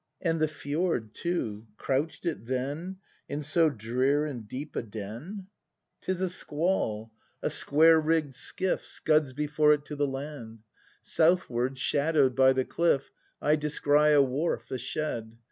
] And the fjord too. Crouch'd it then In so drear and deep a den } 48 BRAND [act i 'Tis a squall. A square rigg'd skiff Scuds before it to the land. Southward, shadow'd by the cliff, I descry a wharf, a shed.